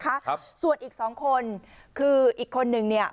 ครับส่วนอีกสองคนคืออีกคนนึงเนี่ย